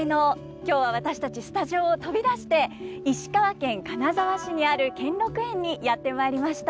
今日は私たちスタジオを飛び出して石川県金沢市にある兼六園にやって参りました。